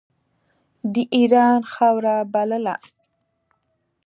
د اېران خاوره بلله.